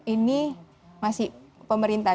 ini masih pemerintah